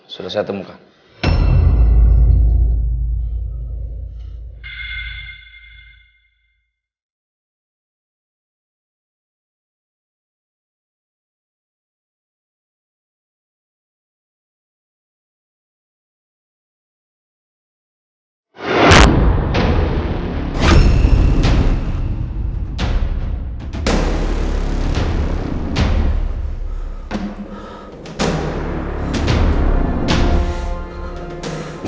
sudah saya temukan